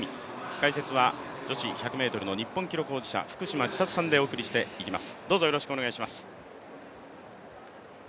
解説は女子１００ｍの日本記録保持者・福島千里さんでお送りしてまいります。